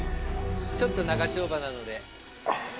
ちょっと長丁場なので。